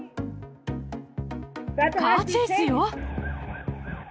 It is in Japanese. カーチェイスよ！